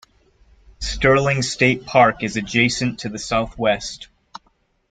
Sterling State Park is adjacent to the southwest.